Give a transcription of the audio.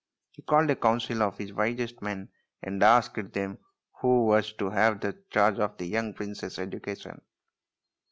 He called a council of his wisest men and asked them who was to have charge of the young prince's education.